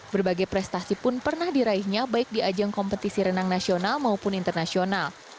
berbagai prestasi pun pernah diraihnya baik di ajang kompetisi renang nasional maupun internasional